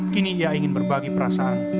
kini ia ingin berbagi perasaan